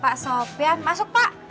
pak sofian masuk pak